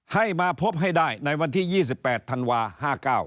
ให้มาพบให้ได้ในวันที่๒๘ธันวา๕๙